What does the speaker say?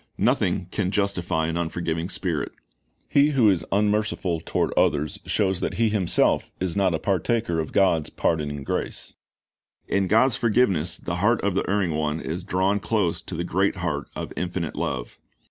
" Nothing can justify an unforgiving spirit. He who is unmerciful toward others shows that he himself is not a partaker of God's pardoning grace. In God's forgiveness the heart of the erring one is drawn close to the great heart of Infinite Love.